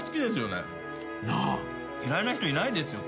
嫌いな人いないですよ